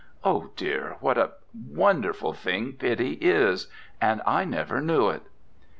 Oh, dear! what a wonderful thing pity is, and I never knew it.'